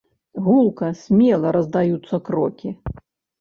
Гулка, смела раздаюцца крокі.